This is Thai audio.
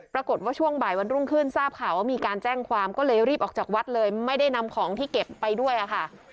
ช่วงบ่ายวันรุ่งขึ้นทราบข่าวว่ามีการแจ้งความก็เลยรีบออกจากวัดเลยไม่ได้นำของที่เก็บไปด้วยค่ะ